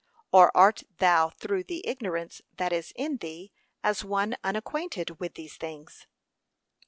or art thou through the ignorance that is in thee as [one] unacquainted with these things?